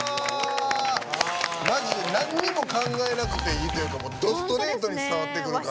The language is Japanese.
マジで何も考えなくていいっていうかドストレートに伝わってくるから。